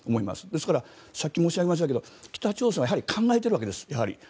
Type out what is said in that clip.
ですからさっき申し上げましたが北朝鮮はやはり考えているわけです。